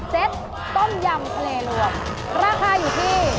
เต็ตต้มยำทะเลรวมราคาอยู่ที่